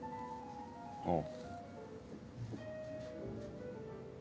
ああ。